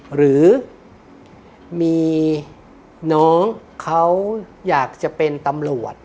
หรือมีน้องเขาอยากจะเป็นตำรวจ